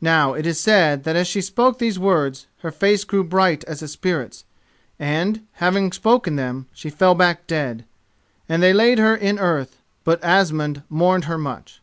Now, it is said that, as she spoke these words, her face grew bright as a spirit's, and, having spoken them, she fell back dead. And they laid her in earth, but Asmund mourned her much.